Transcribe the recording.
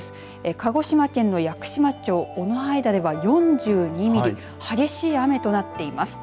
鹿児島県の屋久島町尾之間では４２ミリ激しい雨となっています。